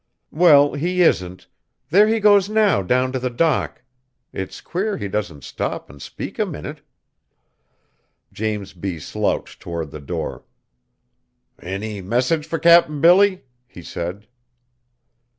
"Well, he isn't. There he goes now down to the dock. It's queer he doesn't stop and speak a minute." James B. slouched toward the door. "Any message fur Cap'n Billy?" he said.